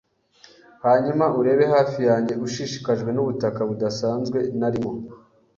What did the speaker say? hanyuma urebe hafi yanjye ushishikajwe nubutaka budasanzwe narimo.